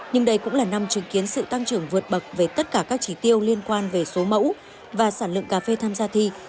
nhưng đây cũng là năm chứng kiến sự tăng trưởng vượt bậc về tất cả các trí tiêu liên quan về số mẫu và sản lượng cà phê tham gia thi